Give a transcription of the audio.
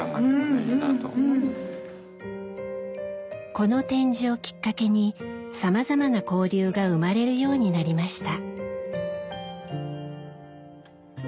この展示をきっかけにさまざまな交流が生まれるようになりました。